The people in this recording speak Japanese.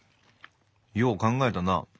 よう考えたな。